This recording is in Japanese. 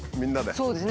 そうですね。